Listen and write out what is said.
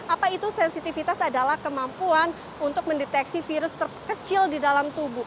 apa itu sensitivitas adalah kemampuan untuk mendeteksi virus terkecil di dalam tubuh